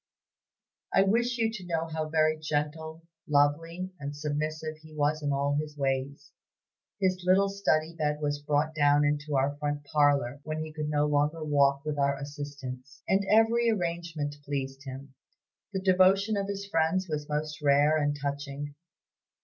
I wish you to know how very gentle, lovely, and submissive he was in all his ways. His little study bed was brought down into our front parlor, when he could no longer walk with our assistance, and every arrangement pleased him. The devotion of his friends was most rare and touching.